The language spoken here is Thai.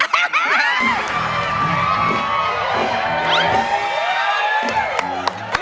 เดี๋ยว